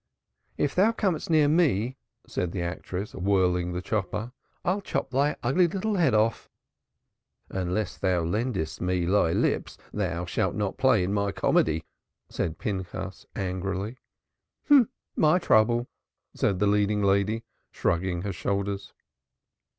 "If thou comest near me," said the actress whirling the chopper, "I'll chop thy ugly little head off." "Unless thou lendest me thy lips thou shalt not play in my comedy," said Pinchas angrily. "My trouble!" said the leading lady, shrugging her shoulders.